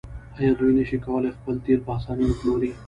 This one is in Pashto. آیا دوی نشي کولی خپل تیل په اسانۍ وپلوري؟